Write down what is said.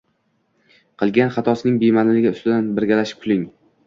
Qilgan xatosining bemaʼniligi ustidan birgalashib kuling.